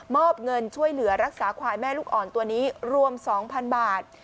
อบเงินช่วยเหลือรักษาควายแม่ลูกอ่อนตัวนี้รวม๒๐๐๐บาท